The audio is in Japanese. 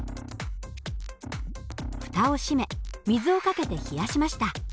蓋を閉め水をかけて冷やしました。